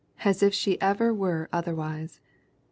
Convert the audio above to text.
As if she ever were otherwise!